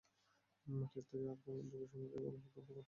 মাটির তৈরি আরাকানি দুর্গ সমূহকে বলা হত ‘কোট’।